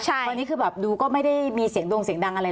ตอนนี้คือแบบดูก็ไม่ได้มีเสียงดงเสียงดังอะไร